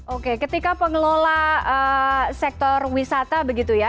oke ketika pengelola sektor wisata begitu ya